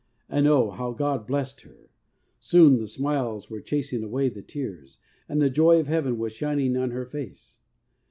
And Oh ! how God blessed her ! Soon the smiles were chasing away the tears, and the joy of Heaven was shining on her face.